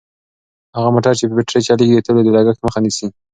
هغه موټر چې په بېټرۍ چلیږي د تېلو د لګښت مخه نیسي.